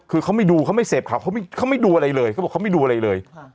คือเขาไม่ดูเขาไม่เสพข่าวเขาไม่ดูอะไรเลยเขาบอกเขาไม่ดูอะไรเลย